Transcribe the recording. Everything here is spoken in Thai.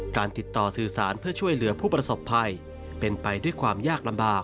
การติดต่อสื่อสารเพื่อช่วยเหลือผู้ประสบภัยเป็นไปด้วยความยากลำบาก